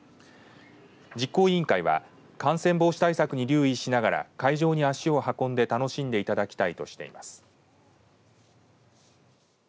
実行委員会は感染防止対策に留意しながら会場に足を運んで楽しんでいただきたいとしています。